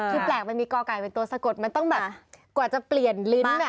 คือแปลกมันมีกอไก่เป็นตัวสะกดมันต้องแบบกว่าจะเปลี่ยนลิ้น